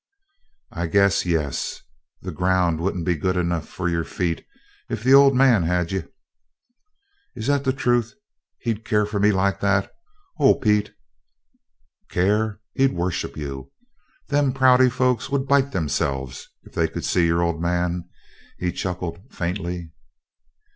"I guess yes. The ground wouldn't be good enough for your feet if the 'Old Man' had you." "Is that the truth? He'd care for me like that? Oh, Pete!" "Care? He'd worship you. Them Prouty folks would bite themselves if they could see your Old Man," he chuckled faintly.